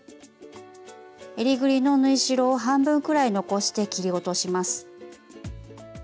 えりぐりの縫い代を半分くらい残して切り落とします。